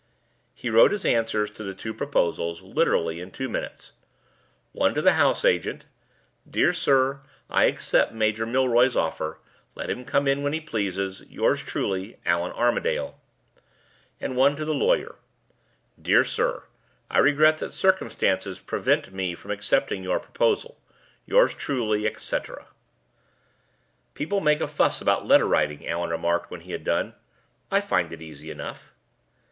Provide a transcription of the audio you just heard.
He wrote his answers to the two proposals, literally in two minutes. One to the house agent: "Dear sir, I accept Major Milroy's offer; let him come in when he pleases. Yours truly, Allan Armadale." And one to the lawyer: "Dear sir, I regret that circumstances prevent me from accepting your proposal. Yours truly," etc. "People make a fuss about letter writing," Allan remarked, when he had done. "I find it easy enough."